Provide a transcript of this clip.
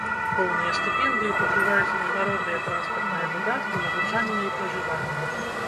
Поўныя стыпендыі пакрываюць міжнародныя транспартныя выдаткі, навучанне і пражыванне.